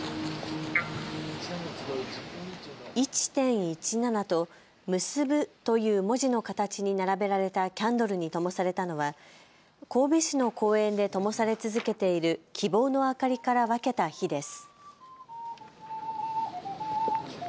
１．１７と、むすぶという文字の形に並べられたキャンドルにともされたのは、神戸市の公園でともされ続けている希望の灯りから分けた火です。